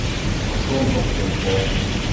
Macron docht in poaging